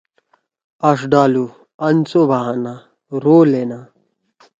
آݜ ڈالوُ انسو بَہانا، رو لینا